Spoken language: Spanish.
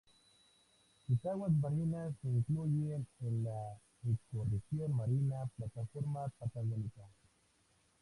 Sus aguas marinas se incluyen en la ecorregión marina plataforma patagónica.